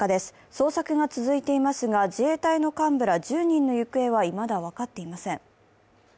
捜索が続いていますが、自衛隊の幹部ら１０人の行方はいまだ分かっていません。